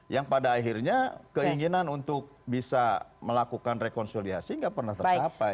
yang pada akhirnya keinginan untuk bisa melakukan rekonsiliasi nggak pernah tercapai